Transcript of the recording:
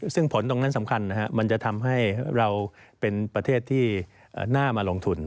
ซึ่งผลตรงนั้นสำคัญมันจะทำให้เราเป็นประเทศที่น่ามาลงทุน